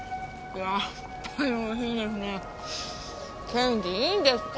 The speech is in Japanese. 検事いいんですか？